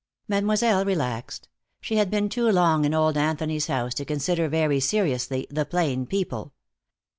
Mademoiselle relaxed. She had been too long in old Anthony's house to consider very seriously the plain people.